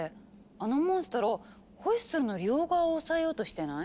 あのモンストロホイッスルの両側を押さえようとしてない？